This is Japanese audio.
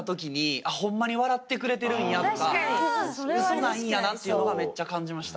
だからこそっていうのがめっちゃ感じました。